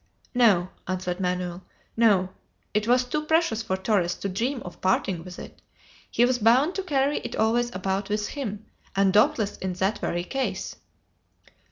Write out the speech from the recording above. "No," answered Manoel "no; it was too precious for Torres to dream of parting with it. He was bound to carry it always about with him, and doubtless in that very case."